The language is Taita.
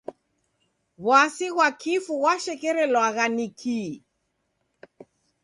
W'asi ghwa kifu ghwashekerelwagha ni kii?